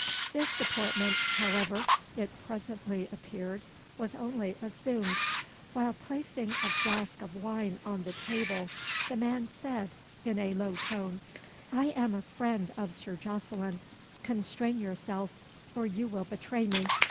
This deportment, however, it presently appeared, was only assumed. While placing a flask of wine on the table, the man said in a low tone "I am a friend of Sir Jocelyn. Constrain yourself, or you will betray me.